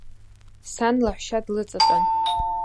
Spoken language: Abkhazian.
Сан лаҳәшьа длыҵатәан.